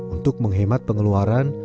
untuk menghemat pengeluaran